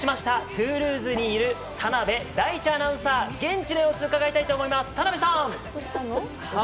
トゥールーズにいる田辺大智アナウンサー現地の様子をうかがいたいと思います。